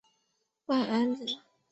万安人。